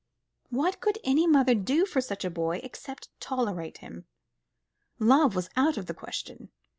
What could any mother do for such a boy, except tolerate him? Love was out of the question.